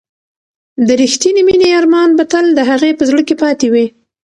د ریښتینې مینې ارمان به تل د هغې په زړه کې پاتې وي.